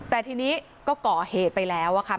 แต่ทีนี้ก็ก่อเหตุไปแล้วอะค่ะ